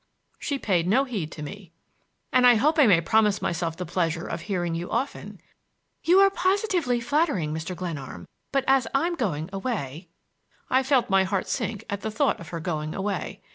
She paid no heed to me. "And I hope I may promise myself the pleasure of hearing you often." "You are positively flattering, Mr. Glenarm; but as I'm going away—" I felt my heart sink at the thought of her going away.